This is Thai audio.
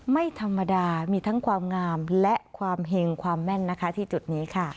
ไม่ธรรมดามีทั้งความงามและความเห็งความแม่นนะคะที่จุดนี้ค่ะ